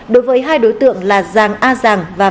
đối với hai đối tượng là giàng a giàng và giàng a vàng